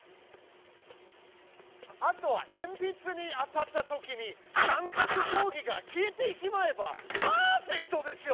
あとはえんぴつに当たったときに三角定規が消えてしまえばパーフェクトですよ！